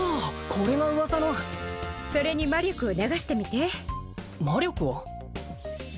これが噂のそれに魔力を流してみて魔力を？